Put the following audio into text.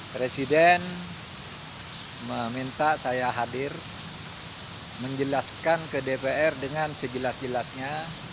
presiden meminta saya hadir menjelaskan ke dpr dengan sejelas jelasnya